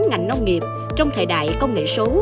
ngành nông nghiệp trong thời đại công nghệ số